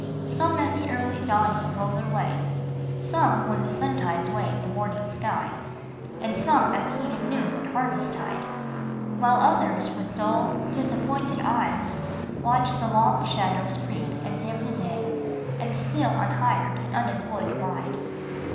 WHOM NO MAN HATH HIRED 12$ Some at the early dawning go their way, Some when the suntides wave the morning sky, And some at heat of noon and harvest tide, While others with dull, disappointed eyes Watch the long shadows creep and dim the day, And still unhired and unemployed abide.